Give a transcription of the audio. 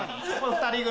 ２人組。